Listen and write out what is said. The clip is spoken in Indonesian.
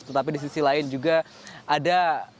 tetapi di sisi lain juga ada